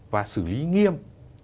và xử lý nghiêm